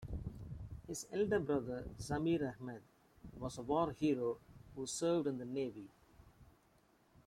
His elder brother, Zamir Ahmad, was a war hero who served in the Navy.